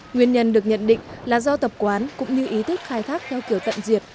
nguyên nhân được nhận định là do tập quán cũng như ý thức khai thác theo kiểu tận diệt